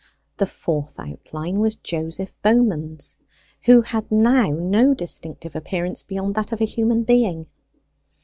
The fourth outline was Joseph Bowman's, who had now no distinctive appearance beyond that of a human being.